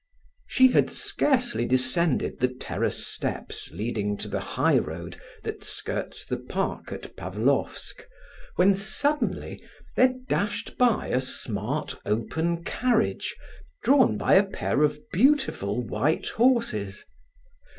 She had scarcely descended the terrace steps leading to the high road that skirts the park at Pavlofsk, when suddenly there dashed by a smart open carriage, drawn by a pair of beautiful white horses.